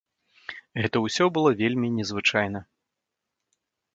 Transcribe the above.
Гэта ўсё было вельмі не звычайна.